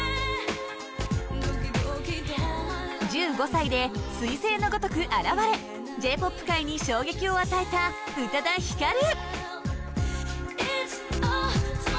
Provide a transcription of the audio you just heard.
１５歳で彗星のごとく現れＪ−ＰＯＰ界に衝撃を与えた宇多田ヒカル